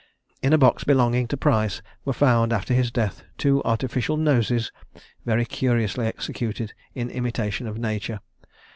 In a box belonging to Price were found, after his death, two artificial noses, very curiously executed, in imitation of nature.